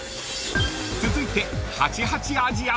［続いて］